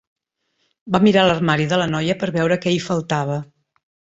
Va mirar l'armari de la noia per veure què hi faltava.